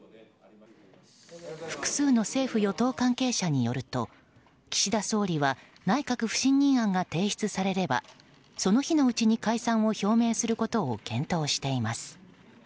複数の政府・与党関係者によると岸田総理は内閣不信任案が提出されればその日のうちに解散を表明することを検討しています。